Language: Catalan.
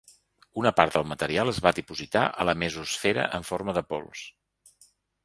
Una part del material es va dipositar a la mesosfera en forma de pols.